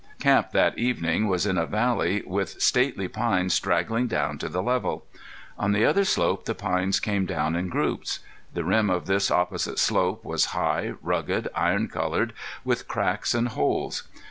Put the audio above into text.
Camp that evening was in a valley with stately pines straggling down to the level. On the other slope the pines came down in groups. The rim of this opposite slope was high, rugged, iron colored, with cracks and holes.